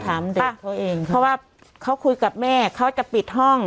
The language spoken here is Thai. ต้องถามเด็กเค้าเองเพราะว่าเค้าคุยกับแม่เค้าจะปิดห้อง